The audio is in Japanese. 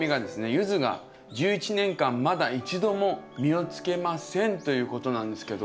ユズが１１年間まだ１度も実をつけませんということなんですけど。